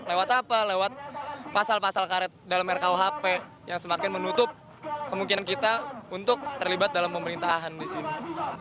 lewat apa lewat pasal pasal karet dalam rkuhp yang semakin menutup kemungkinan kita untuk terlibat dalam pemerintahan di sini